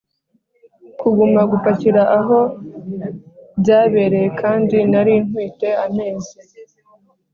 kuguma gupakira aho byabereye kandi nari ntwite amezi